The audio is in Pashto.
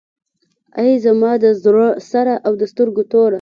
ای زما د زړه سره او د سترګو توره.